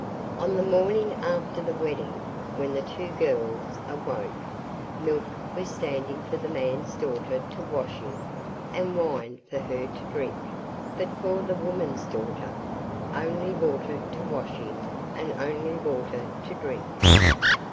On the morning after the wedding, when the two girls awoke, milk was standing for the man's daughter to wash in and wine for her to drink; but for the woman's daughter, only water to wash in and only water to drink.